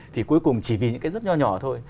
thì cuối cùng chỉ vì những cái rất nhỏ nhỏ thôi